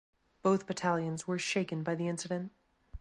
Both battalions were shaken by the incident.